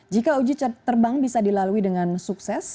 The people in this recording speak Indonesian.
jika uji terbang bisa dilalui dengan sukses